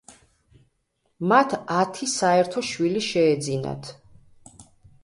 მათ ათი საერთო შვილი შეეძინათ.